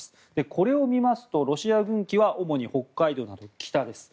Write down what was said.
これを見ますとロシア軍機は主に北海道など北です。